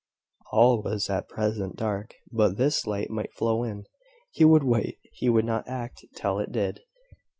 All was at present dark; but this light might flow in. He would wait: he would not act till it did.